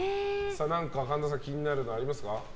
神田さん気になるものありますか。